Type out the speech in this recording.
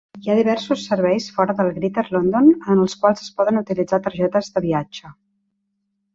Hi ha diversos serveis fora del Greater London en els quals es poden utilitzar targetes de viatge.